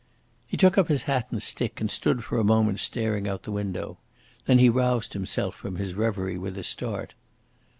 He took up his hat and stick, and stood for a moment staring out of the window. Then he roused himself from his reverie with a start.